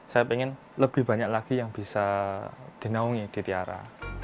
saya ingin lebih banyak lagi yang bisa dinaungi di tiara